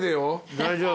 大丈夫？